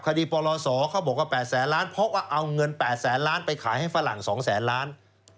ปลศเขาบอกว่า๘แสนล้านเพราะว่าเอาเงิน๘แสนล้านไปขายให้ฝรั่ง๒แสนล้าน